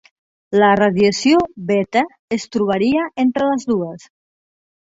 La radiació beta es trobaria entre les dues.